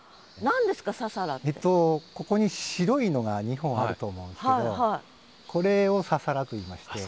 ここに白いのが２本あると思うんですけどこれを「ササラ」といいまして。